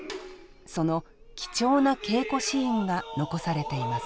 その貴重な稽古シーンが残されています。